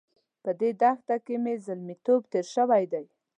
په دې دښته کې مې زلميتوب تېر شوی دی.